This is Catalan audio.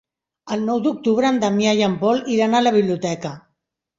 El nou d'octubre en Damià i en Pol iran a la biblioteca.